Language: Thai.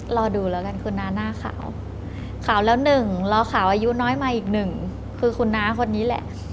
รอดูแล้วกันคุณน้าหน้าขาวขาวแล้วหนึ่งเราขาวอายุน้อยมาอีกหนึ่งคือคุณน้าคนนี้แหละ